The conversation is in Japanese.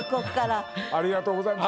ありがとうございます。